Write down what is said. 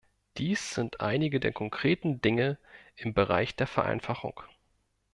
Dies sind einige der konkreten Dinge im Bereich der Vereinfachung.